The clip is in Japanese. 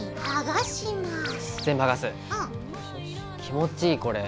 気持ちいいこれ。